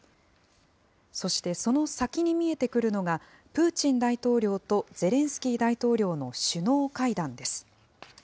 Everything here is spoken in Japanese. そして、その先に見えてくるのが、プーチン大統領とゼレンスキー大統領の首脳会談です。